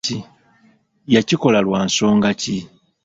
Yakikola lwa nsonga ki?